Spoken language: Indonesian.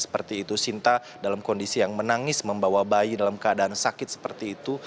seperti itu sinta dalam kondisi yang menangis membawa bayi dalam keadaan sakit seperti itu